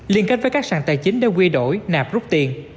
liên kết với các sàn tài chính để quy đổi nạp rút tiền